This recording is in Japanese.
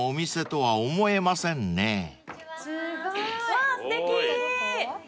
わあすてき。